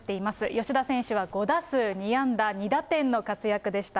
吉田選手は５打数２安打２打点の活躍でした。